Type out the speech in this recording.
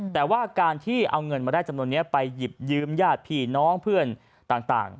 แต่ว่าการที่เอาเงินมาได้จำนวนนี้ไปหยิบยืมญาติพี่น้องเพื่อนต่าง